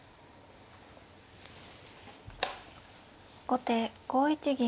後手５一銀。